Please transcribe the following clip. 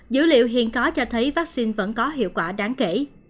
dữ liệu hiện có cho thấy vaccine vẫn có hiệu quả đáng kể